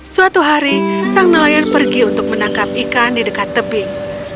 suatu hari sang nelayan pergi untuk menangkap ikan di dekat tebing